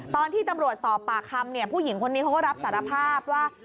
ตอนที่ตำรวจสอบปากคำเนี่ยผู้หญิงคนนี้เขาก็รับสารภาพว่า